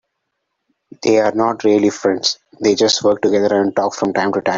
They are not really friends, they just work together and talk from time to time.